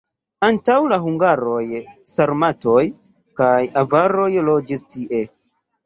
Antaŭ la hungaroj sarmatoj kaj avaroj loĝis tie.